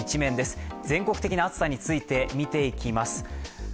全国的な暑さについて見ていきます。